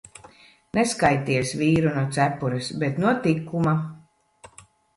Neskaities vīru no cepures, bet no tikuma.